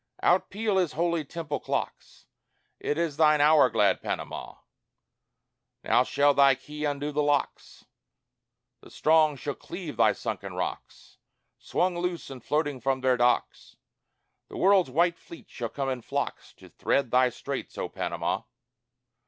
III Out peal his holy temple clocks: It is thine hour, glad Panama. Now shall thy key undo the locks; The strong shall cleave thy sunken rocks; Swung loose and floating from their docks, The world's white fleets shall come in flocks To thread thy straits, O Panama!